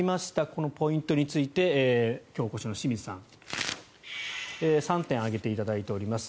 このポイントについて今日お越しの清水さん３点挙げていただいております。